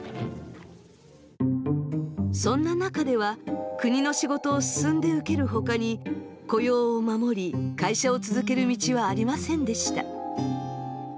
そんな中では国の仕事を進んで受けるほかに雇用を守り会社を続ける道はありませんでした。